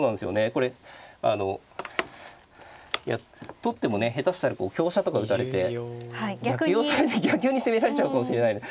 これあの取ってもね下手したらこう香車とか打たれて逆用される逆に攻められちゃうかもしれないんで。